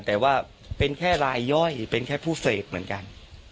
แต่ว่าเป็นแค่รายย่อยเป็นแค่ผู้เสพเหมือนกัน